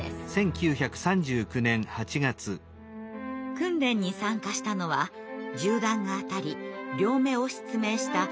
訓練に参加したのは銃弾が当たり両目を失明した舛田宇三郎さん。